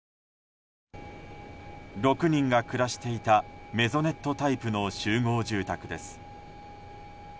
６人が暮らしていたメゾネットタイプの集合住宅です。